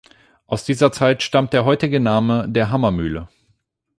Aus dieser Zeit stammt der heutige Name der Hammermühle.